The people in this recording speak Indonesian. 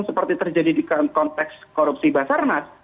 seperti terjadi di konteks korupsi basarnas